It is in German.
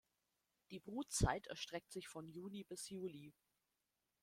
Die Brutzeit erstreckt sich von Juni bis Juli.